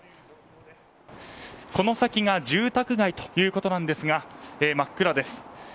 この先が住宅街ということなんですが真っ暗です。